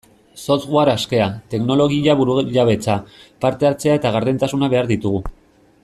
Software askea, teknologia burujabetza, parte-hartzea eta gardentasuna behar ditugu.